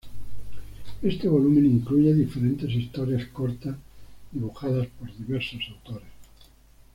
Este volumen incluye diferentes historias cortas dibujadas por diversos autores.